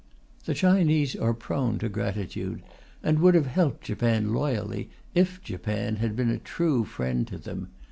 The Chinese are prone to gratitude, and would have helped Japan loyally if Japan had been a true friend to them.